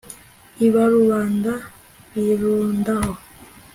ibarubanda birundaho